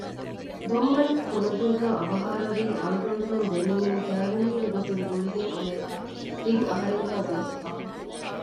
ދޮންމަނިކު ފުނަދޫގައި އަވަހާރަވީ އަޅުގަނޑުމެން ދެ މީހުން ކައިވެނީގެ ގޮތުން ގުޅިގެން އުޅޭތާ ތިން އަހަރެއްހާ ދުވަސް ފަހުން